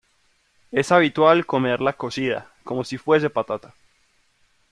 Es habitual comerla cocida como si fuese patata.